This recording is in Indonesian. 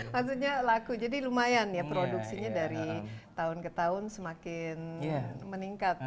maksudnya laku jadi lumayan ya produksinya dari tahun ke tahun semakin meningkat